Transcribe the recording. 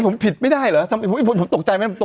ผมผิดไม่ได้หรอผมตกใจไหม